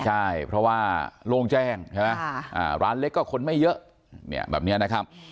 ใช่เพราะว่าโล่งแจ้งใช่ไหมร้านเล็กก็คนไม่เยอะแบบนี้นะครับ